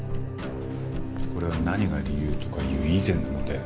これは何が理由とかいう以前の問題だ。